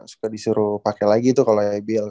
suka disuruh pakai lagi tuh kalau ibl